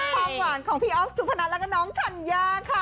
กับความหวานของพี่อ๊อฟซูภนัทและกับน้องขัญญาค่ะ